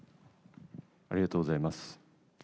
ありがとうございます。